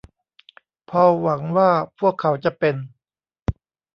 พอลหวังว่าพวกเขาจะเป็น